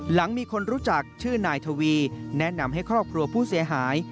หลังมีคนรู้จักชื่อนายทวีแนะนำให้ครอบครัวผู้เสียหาย